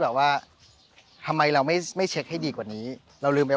ชื่องนี้ชื่องนี้ชื่องนี้ชื่องนี้ชื่องนี้ชื่องนี้ชื่องนี้